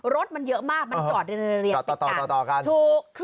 รถมันเยอะมากมันจอดในระยะต่างถูก